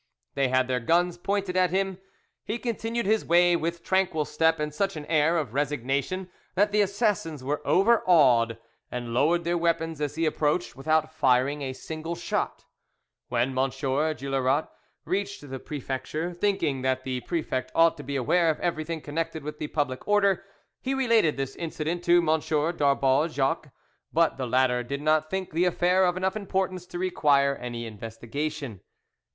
They had their guns pointed at him. He continued his way with tranquil step and such an air of resignation that the assassins were overawed, and lowered their weapons as he approached, without firing a single shot. When M. Juillerat reached the prefecture, thinking that the prefect ought to be aware of everything connected with the public order, he related this incident to M. d'Arbaud Jouques, but the latter did not think the affair of enough importance to require any investigation.